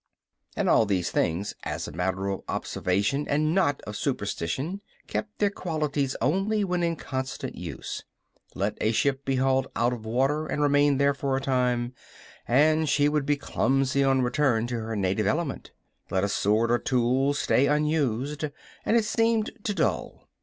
And all these things, as a matter of observation and not of superstition, kept their qualities only when in constant use. Let a ship be hauled out of water and remain there for a time, and she would be clumsy on return to her native element. Let a sword or tool stay unused, and it seemed to dull.